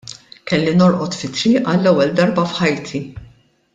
Kelli norqod fit-triq għall-ewwel darba f'ħajti.